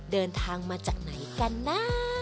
เดินทางมาจากไหนกันนะ